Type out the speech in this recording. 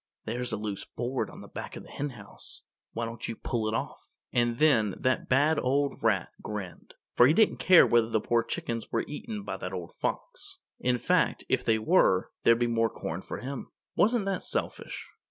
"There's a loose board on the back of the Henhouse. Why don't you pull it off?" And then that bad old rat grinned, for he didn't care whether the poor chickens were eaten by that old fox. In fact, if they were, there'd be more corn for him. Wasn't that selfish?